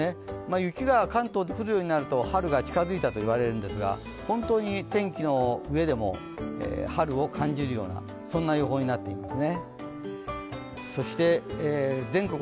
雪が関東で降るようになると春が近づいたといわれるんですが本当に天気の上でも春を感じるような予報になっていますね。